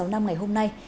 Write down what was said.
ba sáu năm ngày hôm nay